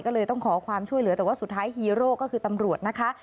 ก็เลยต้องขอความช่วยเหลือแต่ว่าสุดท้ายฮีโร่ก็คือตำรวจนะคะ